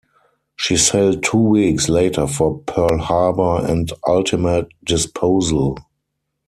She sailed two weeks later for Pearl Harbor and ultimate disposal.